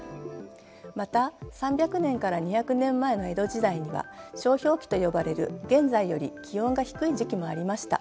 また３００年から２００年前の江戸時代には小氷期と呼ばれる現在より気温が低い時期もありました。